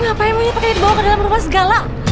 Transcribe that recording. ngapain monyet pake dibawa ke dalam rumah segala